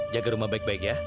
jaga rumah baik baik ya